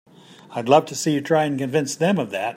I'd love to see you try and convince them of that!